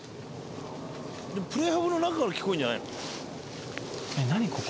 プレハブの中から聞こえるんじゃないの？